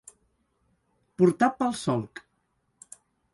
Portar pel solc.